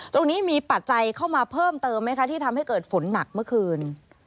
ตรงนี้มีปัจจัยเข้ามาเพิ่มเติมไหมคะที่ทำให้เกิดฝนหนักเมื่อคืน